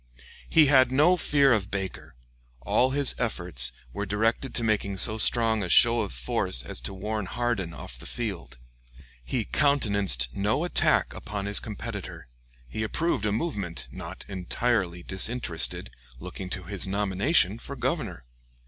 He had no fear of Baker; all his efforts were directed to making so strong a show of force as to warn Hardin off the field. He countenanced no attack upon his competitor; he approved a movement not entirely disinterested looking to his nomination for Grovernor.